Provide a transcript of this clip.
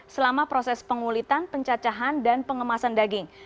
selama proses pengulitan pencacahan dan pengemasan daging